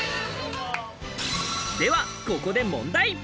では、ここで問題。